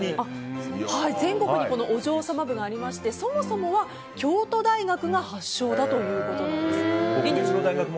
全国にお嬢様部がありましてそもそもは京都大学が発祥だということです。